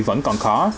vẫn còn khó